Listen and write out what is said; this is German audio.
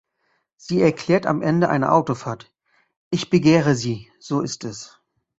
Sie erklärt am Ende einer Autofahrt: "Ich begehre Sie, so ist es.